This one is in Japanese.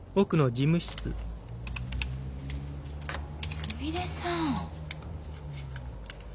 すみれさん。